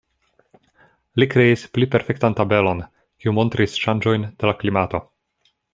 Li kreis pli perfektan tabelon, kiu montris ŝanĝojn de la klimato.